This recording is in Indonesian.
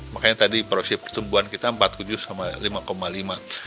makanya tadi proyeksi pertumbuhan kita empat puluh tujuh sama lima lima